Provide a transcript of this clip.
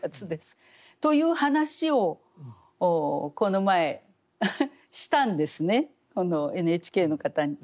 という話をこの前したんですねＮＨＫの方に。